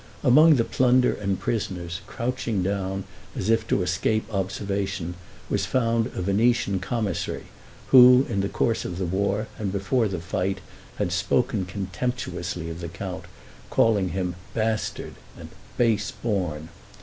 Among the plunder and prisoners, crouching down, as if to escape observation, was found a Venetian commissary, who, in the course of the war and before the fight, had spoken contemptuously of the count, calling him "bastard," and "base born."